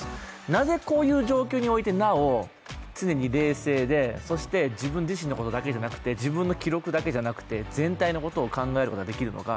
なぜこういう状況において、なお常に冷静でそして自分自身のことだけじゃなくて、自分の記録だけじゃなくて全体のことを考えることができるのか。